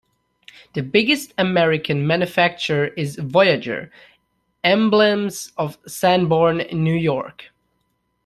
The biggest American manufacturer is Voyager Emblems of Sanborn, New York.